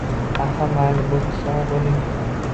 - Aha, mayli, bo'pti sog' bo'ling!